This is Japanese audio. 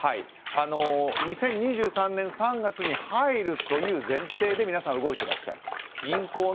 ２０２３年３月に入るという前提で皆さん動いていらっしゃる。